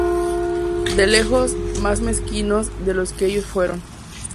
De lejos más mezquinos de los que ellos fueron!